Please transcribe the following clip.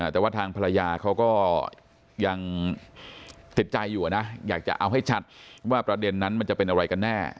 แต่ว่าทางภรรยาเขาก็ยังติดใจอยู่นะอยากจะเอาให้ชัดว่าประเด็นนั้นมันจะเป็นอะไรกันแน่